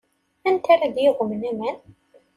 Anta ara d-yagmen aman?